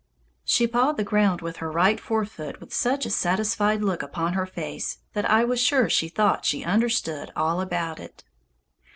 She pawed the ground with her right fore foot with such a satisfied look upon her face that I was sure she thought she understood all about it.